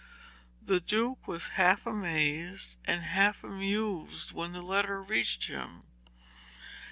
The Duke was half amazed and half amused when the letter reached him.